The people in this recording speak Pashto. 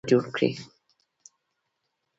ډېرو شتمنو امریکایانو غوښتل چې ستر تشکیلات جوړ کړي